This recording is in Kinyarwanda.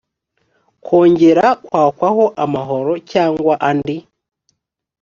kongera kwakwaho amahoro cyangwa andi